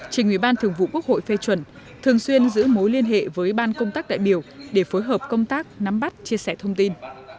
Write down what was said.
trình ủy ban thường vụ quốc hội phê chuẩn thường xuyên giữ mối liên hệ với ban công tác đại biểu để phối hợp công tác nắm bắt chia sẻ thông tin